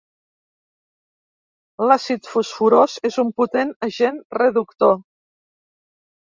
L'àcid fosforós és un potent agent reductor.